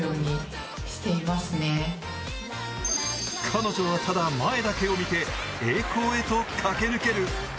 彼女はただ前嶽を見て栄光へと駆け抜ける。